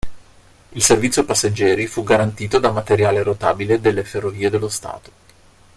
Il servizio passeggeri fu garantito da materiale rotabile delle Ferrovie dello Stato.